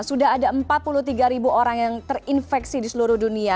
sudah ada empat puluh tiga ribu orang yang terinfeksi di seluruh dunia